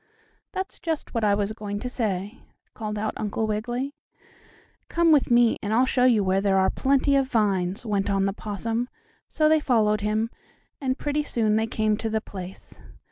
"That's just what I was going to say," called out Uncle Wiggily. "Come with me, and I'll show you where there are plenty of vines," went on the possum, so they followed him, and pretty soon they came to the place.